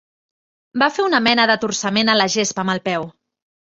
Va fer una mena de torçament a la gespa amb el peu.